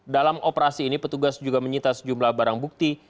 dalam operasi ini petugas juga menyita sejumlah barang bukti